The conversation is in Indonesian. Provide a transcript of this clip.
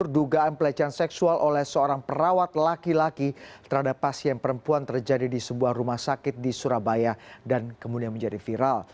dugaan pelecehan seksual oleh seorang perawat laki laki terhadap pasien perempuan terjadi di sebuah rumah sakit di surabaya dan kemudian menjadi viral